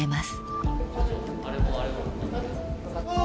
あれもあれも。